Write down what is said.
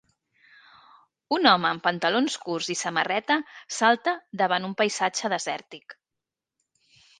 Un home en pantalons curts i samarreta salta davant un paisatge desèrtic